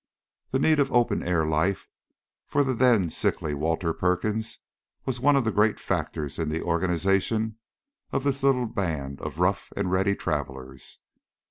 The need of open air life for the then sickly Walter Perkins was one of the great factors in the organization of this little band of rough and ready travelers.